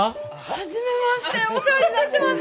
初めましてお世話になってます！